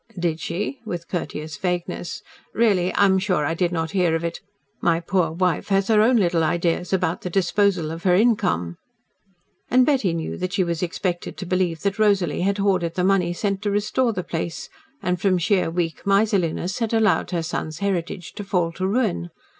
"Did she?" with courteous vagueness. "Really, I am afraid I did not hear of it. My poor wife has her own little ideas about the disposal of her income." And Betty knew that she was expected to believe that Rosy had hoarded the money sent to restore the place, and from sheer weak miserliness had allowed her son's heritage to fall to ruin.